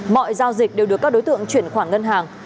mọi giao dịch đều được các đối tượng chuyển khoản ngân hàng